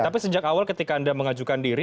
tapi sejak awal ketika anda mengajukan diri